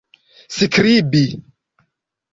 skribi